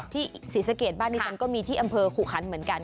ที่ศรีสะเกียจบ้านดิฉันก็มีที่อำเภอขุขันเหมือนกัน